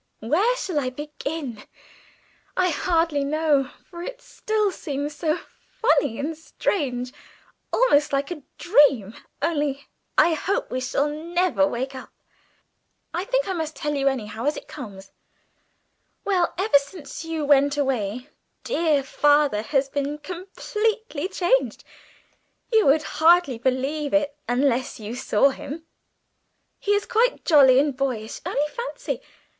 Where shall I begin? I hardly know, for it still seems so funny and strange almost like a dream only I hope we shall never wake up. "I think I must tell you anyhow, just as it comes. Well, ever since you went away, dear Father has been completely changed; you would hardly believe it unless you saw him. He is quite jolly and boyish only fancy!